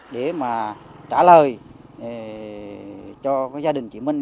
để mà trả lời cho gia đình chị minh